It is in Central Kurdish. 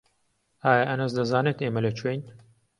ئایا ئەنەس دەزانێت ئێمە لەکوێین؟